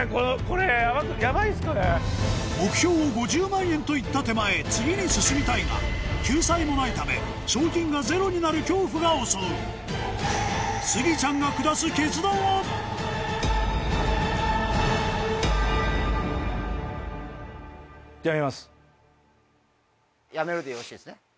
目標を５０万円と言った手前次に進みたいが救済もないため賞金がゼロになる恐怖が襲うスギちゃんが下すやめるでよろしいですね？